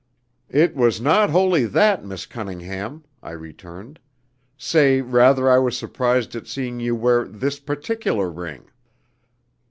"It was not wholly that, Miss Cunningham," I returned. "Say, rather I was surprised at seeing you wear this particular ring."